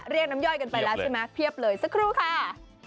เรียกน้ำย่อยกันไปแล้วใช่ไหมเพียบเลยสักครู่ค่ะ